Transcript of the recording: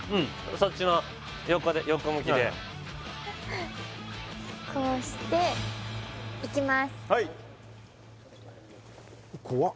そっちの横で横向きでこうしてはいこわっ！